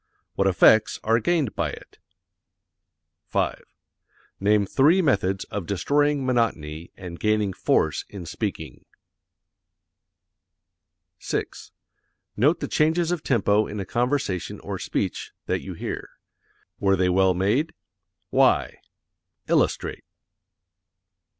What effects are gained by it? 5. Name three methods of destroying monotony and gaining force in speaking. 6. Note the changes of tempo in a conversation or speech that you hear. Were they well made? Why? Illustrate.